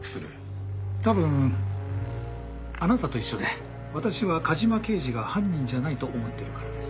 多分あなたと一緒で私は梶間刑事が犯人じゃないと思ってるからです。